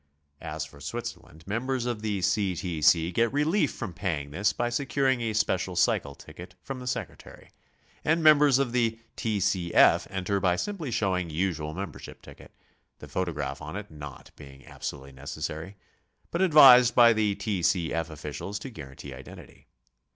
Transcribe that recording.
As for Switzerland, members of the C. T. C. get relief from paying this by securing a special cycle ticket^ from the Sec retary; and members of the T. C. F. enter by simply show ing usual membership ticket, the photograph on it not being II2 GOING ABROAD? absolutely necessary, but advised by the T. C. F. officials to guarantee identity.